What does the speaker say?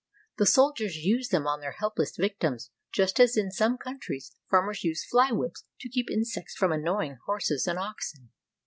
The soldiers use them on their helpless vic tims just as in some countries farm.ers use fly whips to keep insects from annoying horses and oxen.